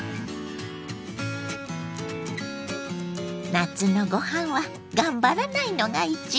夏のご飯は頑張らないのが一番！